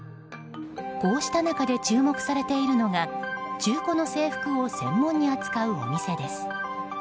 こうした中で注目されているのが中古の制服を専門に扱うお店です。